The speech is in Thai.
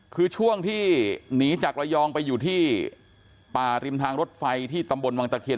คือช่วงที่หนีจากระยองไปอยู่ที่ป่าริมทางรถไฟที่ตำบลวังตะเคียน